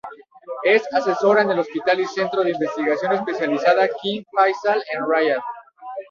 Es asesora en el Hospital y Centro de Investigación Especializada King Faisal en Riyad.